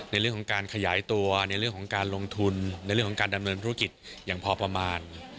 ในเรื่องของการขยายตัวในเรื่องของการลงทุนในเรื่องของการดำเนินธุรกิจอย่างพอประมาณ